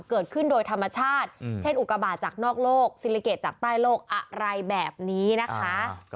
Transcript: เกิดขึ้นโดยธรรมชาติเช่นอุกบาทจากนอกโลกซิลิเกตจากใต้โลกอะไรแบบนี้นะคะ